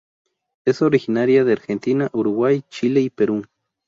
Es originaria de Argentina, Uruguay, Chile y Perú.